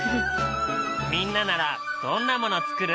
みんなならどんなもの作る？